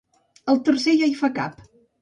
el tercer ja hi fa cap